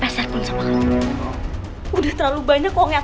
pak sepertinya ada keributan pak coba liat